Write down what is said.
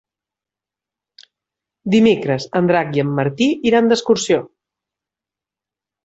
Dimecres en Drac i en Martí iran d'excursió.